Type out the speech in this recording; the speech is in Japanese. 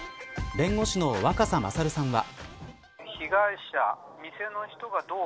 弁護士の若狭勝さんは。